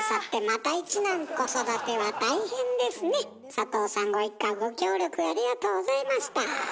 佐藤さんご一家ご協力ありがとうございました。